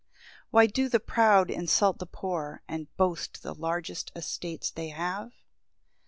1 Why do the proud insult the poor, And boast the large estates they have?